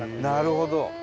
なるほど。